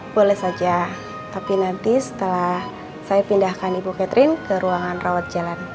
boleh saja tapi nanti setelah saya pindahkan ibu catherine ke ruangan rawat jalan